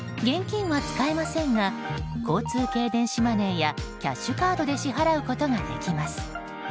現金は使えませんが交通系電子マネーやキャッシュカードで支払うことができます。